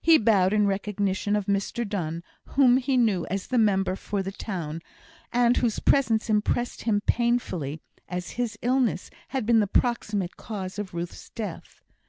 He bowed in recognition of Mr Donne, whom he knew as the member for the town, and whose presence impressed him painfully, as his illness had been the proximate cause of Ruth's death.